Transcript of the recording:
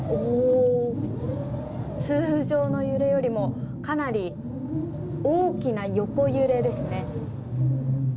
通常の揺れよりもかなり大きな横揺れですね。